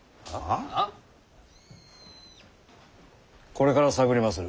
これから探りまする。